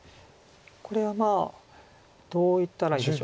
これはどういったらいいでしょう。